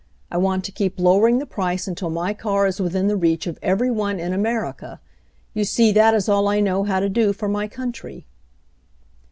I want to keep lowering the price until my car is within the reach of every one in America. You see, that is all I know how to do for my country."